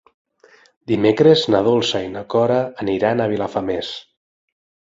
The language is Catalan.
Dimecres na Dolça i na Cora aniran a Vilafamés.